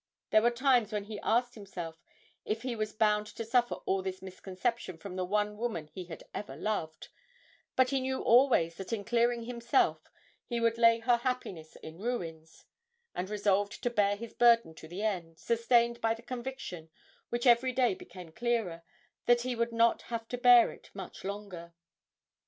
There were times when he asked himself if he was bound to suffer all this misconception from the one woman he had ever loved but he knew always that in clearing himself he would lay her happiness in ruins, and resolved to bear his burden to the end, sustained by the conviction, which every day became clearer, that he would not have to bear it much longer.